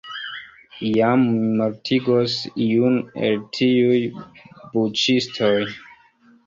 Iam, mi mortigos iun el tiuj buĉistoj.